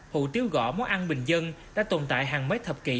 hủ tiếu gõ đã tồn tại hàng mấy thập kỷ